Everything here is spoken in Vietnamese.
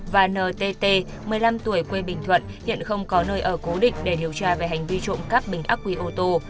và ntt một mươi năm tuổi quê bình thuận hiện không có nơi ở cố định để điều tra về hành vi trộm cắp bình ác quy ô tô